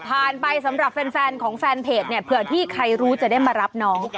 ไปสำหรับแฟนของแฟนเพจเนี่ยเผื่อที่ใครรู้จะได้มารับน้อง